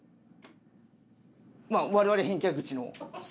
まあ我々返却口の。